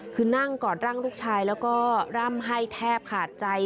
คือนั่งกอดร่างลูกชายแล้วก็ร่ำให้แทบขาดใจ